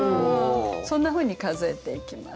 そんなふうに数えていきます。